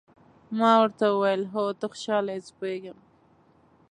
ما ورته وویل: هو، ته خوشاله یې، زه پوهېږم.